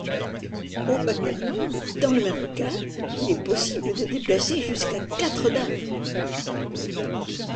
Au backgammon dans le même cas, il est possible de déplacer jusqu’à quatre dames.